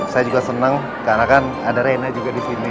saya juga senang karena kan ada reina juga di sini